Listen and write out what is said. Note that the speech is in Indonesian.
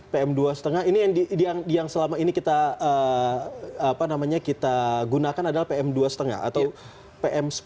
pm dua lima ini yang selama ini kita gunakan adalah pm dua lima atau pm sepuluh